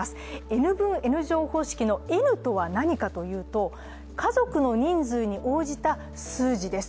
Ｎ分Ｎ乗方式のＮとは何かというと家族の人数に応じた数字です。